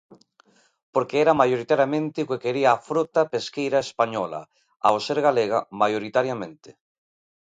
Porque era maioritariamente o que quería a frota pesqueira española, ao ser galega maioritariamente.